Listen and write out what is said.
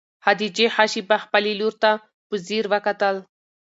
خدیجې ښه شېبه خپلې لور ته په ځیر وکتل.